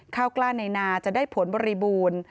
ข้าวกล้าในนาจะได้ผลบริบูรณ์